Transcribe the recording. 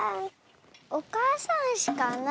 おかあさんうしかな